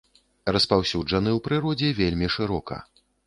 Распаўсюджаны ў прыродзе вельмі шырока.